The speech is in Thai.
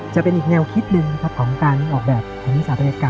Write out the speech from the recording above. จะเป็นอีกแนวคิดหนึ่งของการออกแบบในวิทยาลัยกรรม